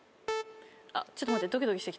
ちょっと待って。